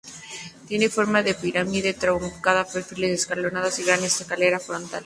Tiene forma de pirámide truncada, con perfiles escalonados y una gran escalera frontal.